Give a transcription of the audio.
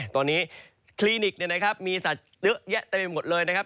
ตอนนี้คลินิกมีสัตว์เยอะแยะเต็มไปหมดเลยนะครับ